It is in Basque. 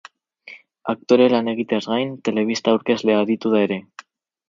Aktore lan egiteaz gain, telebista aurkezle aritu da ere.